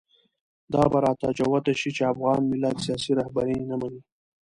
دا به راته جوته شي چې افغان ملت سیاسي رهبري نه مني.